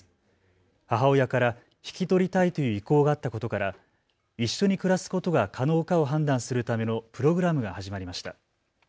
母親から引き取りたいという意向があったことから一緒に暮らすことが可能かを判断するためのプログラムが始まりました。